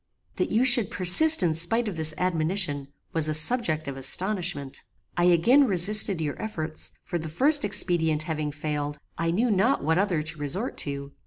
"That you should persist in spite of this admonition, was a subject of astonishment. I again resisted your efforts; for the first expedient having failed, I knew not what other to resort to.